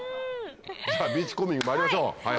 さぁビーチコーミングまいりましょう。